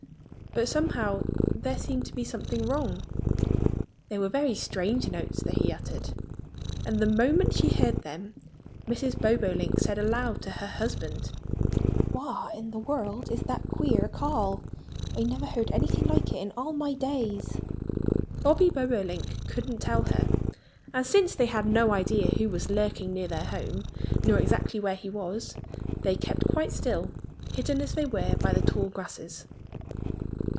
But somehow there seemed to be something wrong. They were very strange notes that he uttered. And the moment she heard them Mrs. Bobolink said aloud to her husband, "What in the world is that queer call? I never heard anything like it in all my days!" Bobby Bobolink couldn't tell her. And since they had no idea who was lurking near their home nor exactly where he was, they kept quite still, hidden as they were by the tall grasses.